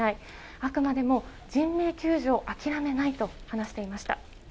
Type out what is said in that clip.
あくまでも人命救助を諦めないと話していました。